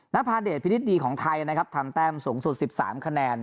นภาเดชพินิศดีของไทยนะครับทำแต้มสูงสุด๑๓คะแนน